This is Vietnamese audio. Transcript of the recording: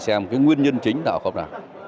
xem nguyên nhân chính là không nào